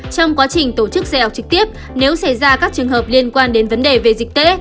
trong quá trình tổ chức xe học trực tiếp nếu xảy ra các trường hợp liên quan đến vấn đề về dịch tễ